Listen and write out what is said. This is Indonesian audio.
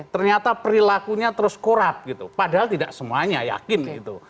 ternyata perilakunya terus korup gitu padahal tidak semuanya yakin gitu